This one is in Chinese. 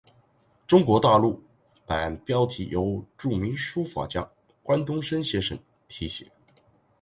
中国大陆版标题由著名书法家关东升先生提写。